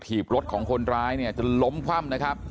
ถีบรถของคนร้ายเนี่ยจนล้มคว่ำนะครับ